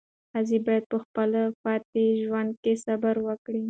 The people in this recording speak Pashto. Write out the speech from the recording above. ښځه باید په خپل پاتې ژوند کې صبر وکړي.